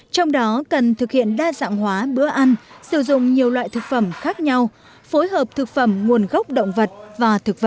trong đó cần thực hiện đa dạng hóa bữa ăn sử dụng nhiều loại thực phẩm khác nhau phối hợp thực phẩm nguồn gốc động vật và thực vật